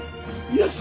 よし！